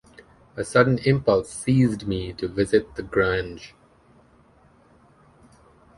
A sudden impulse seized me to visit the Grange.